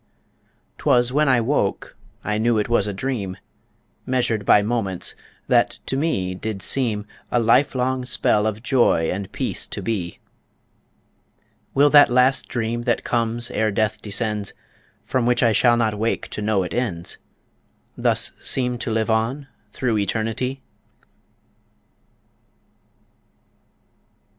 'Twas when I woke I knew it was a dream, Measured by moments, that to me did seem, A life long spell of joy and peace to be Will that last dream that comes ere death descends, From which I shall not wake to know it ends, Thus seem to live on through Eternity?